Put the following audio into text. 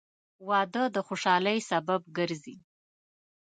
• واده د خوشحالۍ سبب ګرځي.